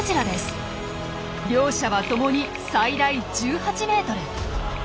両者はともに最大１８ｍ。